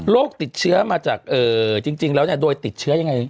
โรคติดเชื้อจริงแล้วโดยติดเชื้อยังไง